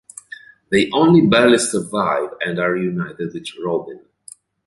They only barely survive and are reunited with Robyn.